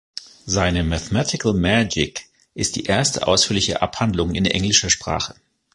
Seine "Mathematical Magick" ist die erste ausführliche Abhandlung in englischer Sprache.